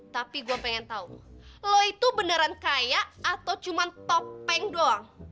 tapi gue pengen tahu lo itu beneran kaya atau cuma topeng doang